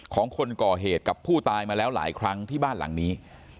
ของคนก่อเหตุกับผู้ตายมาแล้วหลายครั้งที่บ้านหลังนี้